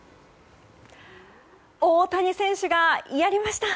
大谷選手がやりました！